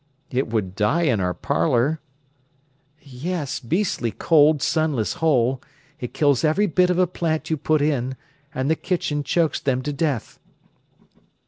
"It would die in our parlour." "Yes, beastly cold, sunless hole; it kills every bit of a plant you put in, and the kitchen chokes them to death."